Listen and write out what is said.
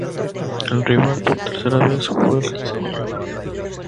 El rival, por tercera vez, Joel Casamayor.